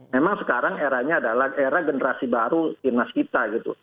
memang sekarang eranya adalah era generasi baru timnas kita gitu